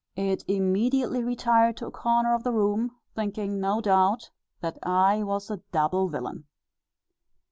It immediately retired to a corner of the room, thinking no doubt that I was a double villain."